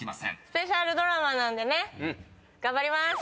スペシャルドラマなんでね頑張ります。